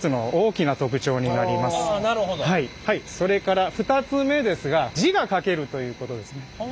それから２つ目ですが字が書けるということですね。